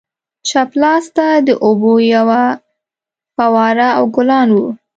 چپ لاسته د اوبو یوه فواره او ګلان وو.